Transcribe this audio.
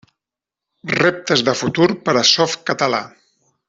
Reptes de futur per a Softcatalà.